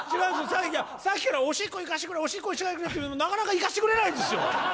さっきから、おしっこ行かせてくれ、おしっこ行かせてくれと言ってるのに行かせてくれないんですよ。